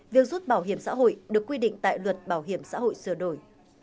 việc rút bảo hiểm xã hội được quy định tại luật bảo hiểm xã hội sửa đổi